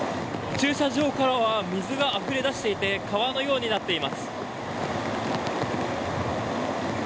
駐車場からは水があふれ出していて川のようになっています。